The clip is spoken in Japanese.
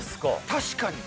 確かに。